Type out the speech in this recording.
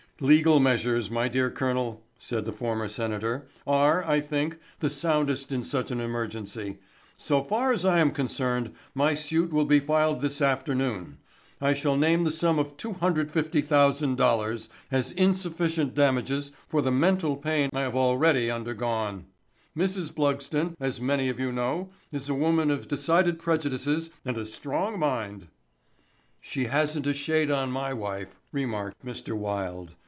"Legal measures, my dear colonel," said the former senator, "are, I think, the soundest in such an emergency. So far as I am concerned my suit will be filed this afternoon. I shall name the sum of $250,000 as insufficient damages for the mental pain I have already undergone. Mrs. Blugsden, as many of you know, is a woman of decided prejudices and a strong mind." "She hasn't a shade on my wife," remarked Mr. Wilde.